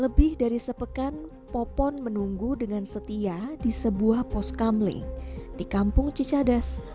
lebih dari sepekan popon menunggu dengan setia di sebuah pos kamling di kampung cicadas